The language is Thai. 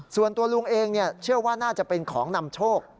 ส่วนตัวลุงเองเชื่อว่าน่าจะเป็นของนำโชค